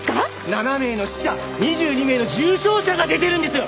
７名の死者２２名の重症者が出てるんですよ。